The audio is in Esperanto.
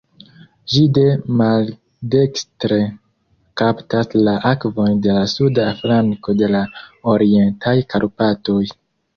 Ĝi de maldekstre kaptas la akvon de la suda flanko de la Orientaj Karpatoj.